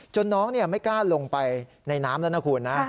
น้องไม่กล้าลงไปในน้ำแล้วนะคุณนะ